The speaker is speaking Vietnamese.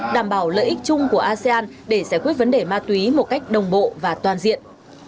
đảm bảo lợi ích chung của asean để giải quyết vấn đề ma túy một cách đồng bộ và toàn diện